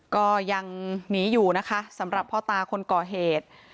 ก็ยังหนีอยู่นะคะสำหรับพ่อตาคนก่อเหตุ